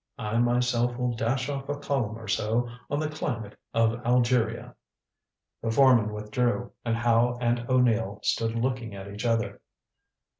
I myself will dash off a column or so on the climate of Algeria." The foreman withdrew, and Howe and O'Neill stood looking at each other.